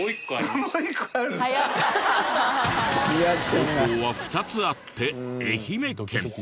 投稿は２つあって愛媛県。